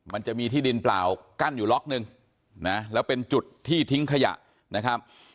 มันจะมีที่ดินเปล่ากั้นอยู่ล็อกนึงนะแล้วเป็นจุดที่ทิ้งขยะนะครับ